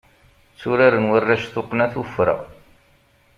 Tturaren warrac tuqqna tuffra.